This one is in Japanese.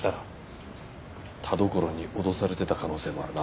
田所に脅されてた可能性もあるな。